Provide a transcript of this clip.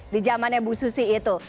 di zamannya bu susi itu